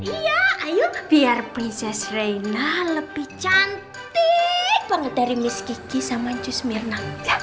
iya ayo biar prinses rena lebih cantik banget dari miss kiki sama jus mirna